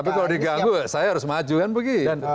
tapi kalau diganggu saya harus maju kan pergi